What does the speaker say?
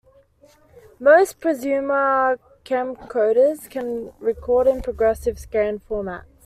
Most prosumer camcorders can record in progressive scan formats.